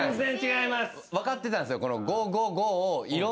分かってたんすよ。